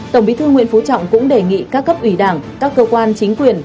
tổng bí thư nguyễn phú trọng cũng đề nghị các cấp ủy đảng các cơ quan chính quyền